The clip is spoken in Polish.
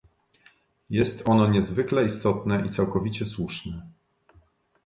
Jest ono niezwykle istotne i całkowicie słuszne